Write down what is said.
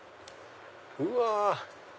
うわ！